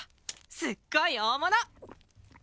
すっごい大物！